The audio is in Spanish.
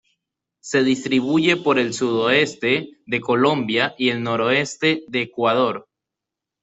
Se distribuye por el sudoeste de Colombia y el noroeste de Ecuador.